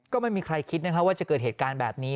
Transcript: ก็ไม่มีใครคิดนะครับว่าจะเกิดเหตุการณ์แบบนี้